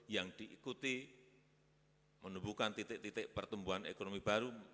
yang diikuti menemukan titik titik pertumbuhan ekonomi baru